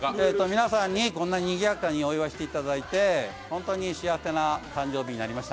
皆さんにこんな賑やかにお祝いしていただいて本当に幸せな誕生日になりました。